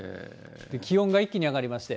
気温が一気に上がりまして。